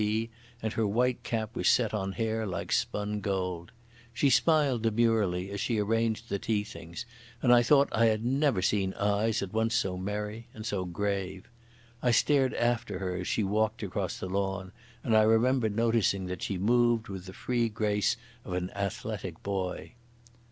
D. and her white cap was set on hair like spun gold. She smiled demurely as she arranged the tea things, and I thought I had never seen eyes at once so merry and so grave. I stared after her as she walked across the lawn, and I remember noticing that she moved with the free grace of an athletic boy.